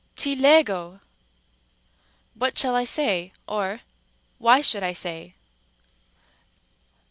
τί λέγω ; what shall I say? or, why should I say?